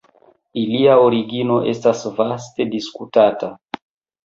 Ilia origino estas vaste diskutata.